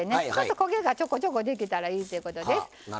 こげが、ちょこちょこ出てたらいいっていうことです。